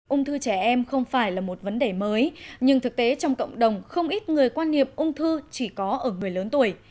ung thư trẻ em không phải là một vấn đề mới nhưng thực tế trong cộng đồng không ít người quan niệm ung thư chỉ có ở người lớn tuổi